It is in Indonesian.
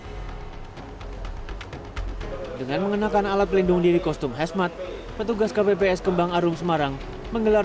hai dengan mengenakan alat pelindung diri kostum hesmat petugas kpps kembang arum semarang menggelar